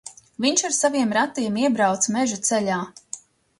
Viņš ar saviem ratiem iebrauca meža ceļā.